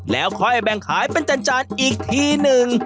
แล้วค่อยแบ่งขายเป็นจานอีกทีหนึ่ง